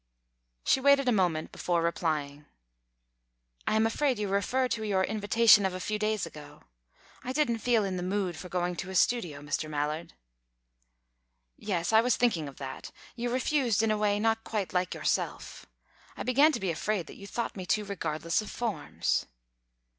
She waited a moment before replying. "I am afraid you refer to your invitation of a few days ago. I didn't feel in the mood for going to a studio, Mr. Mallard." "Yes, I was thinking of that. You refused in a way not quite like yourself. I began to be afraid that you thought me too regardless of forms."